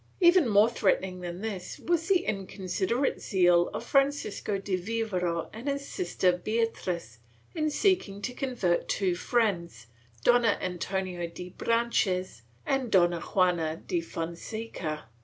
Even more threatening than this was the inconsiderate zeal of Francisco de Vivero and his sister Beatriz, in seeking to convert two friends, Dona Antonia de Branches and Dona Juana de Fon seca.